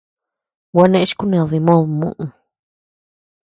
Gua neʼë chi kuned dimod muʼu.